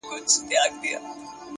هڅه د بریا قیمت دی.!